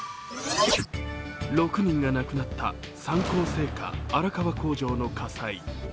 ６人が亡くなった三幸製菓荒川工場の火災。